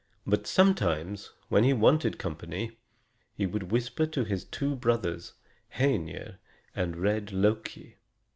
But sometimes, when he wanted company, he would whisper to his two brothers, Hœnir and red Loki.